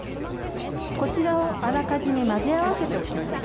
こちらをあらかじめ混ぜ合わせておきます。